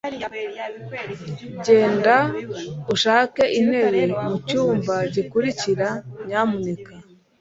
genda ushake intebe mucyumba gikurikira, nyamuneka